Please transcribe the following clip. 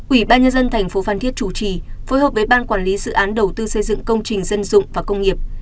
ubnd thành phố phan thiết chủ trì phối hợp với ban quản lý sự án đầu tư xây dựng công trình dân dụng và công nghiệp